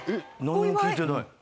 何も聞いてない。